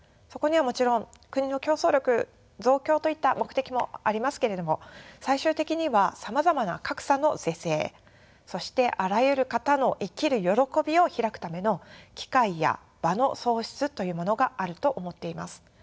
そこにはもちろん国の競争力増強といった目的もありますけれども最終的にはさまざまな格差の是正そしてあらゆる方の生きる喜びを開くための機会や場の創出というものがあると思っています。